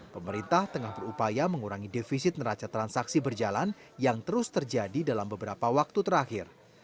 pemerintah tengah berupaya mengurangi defisit neraca transaksi berjalan yang terus terjadi dalam beberapa waktu terakhir